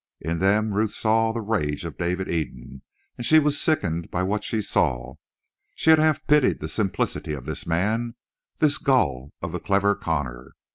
In them Ruth saw the rage of David Eden, and she was sickened by what she saw. She had half pitied the simplicity of this man, this gull of the clever Connor.